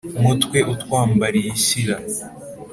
mutwe utwambariye ishyira,